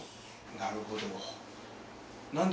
なるほど。